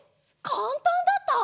かんたんだった？